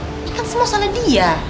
kan semua sana dia